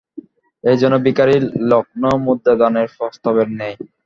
এ যেন ভিখারীর লক্ষমুদ্রাদানের প্রস্তাবের ন্যায়।